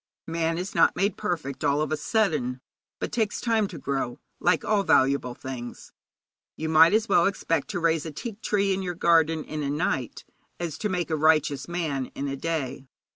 Man is not made perfect all of a sudden, but takes time to grow, like all valuable things. You might as well expect to raise a teak tree in your garden in a night as to make a righteous man in a day.